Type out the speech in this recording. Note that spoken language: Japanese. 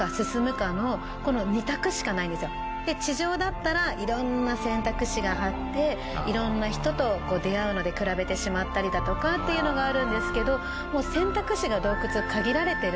地上だったら色んな選択肢があって色んな人と出会うので比べてしまったりだとかっていうのがあるんですけど。